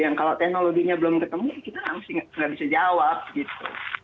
yang kalau teknologinya belum ketemu ya kita mesti nggak bisa jawab gitu